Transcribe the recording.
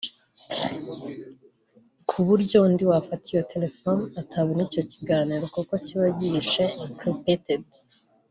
kuburyo undi wafata iyo telefoni atabona icyo kiganiro kuko kiba gihishe(encrypted)